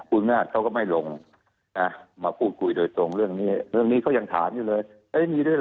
ผู้มิวนาฬเค้าก็ไม่หลงนะมาพูดคุยโดยตรงเรื่องนี้เรื่องนี้เค้ายังถามอยู่เลยเอ๊ะมีด้วยเหรอ